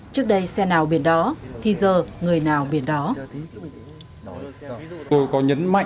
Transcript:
trước đây xe nào biển đó thì giờ người nào biển đó